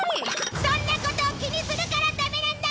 そんなことを気にするからダメなんだ！！